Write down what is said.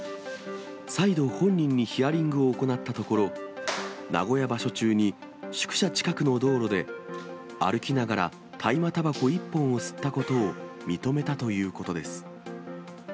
再度、本人にヒアリングを行ったところ、名古屋場所中に、宿舎近くの道路で、歩きながら大麻たばこ１本を吸ったことを認めたということです。